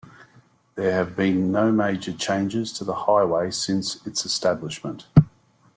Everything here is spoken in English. There have been no major changes to the highway since its establishment.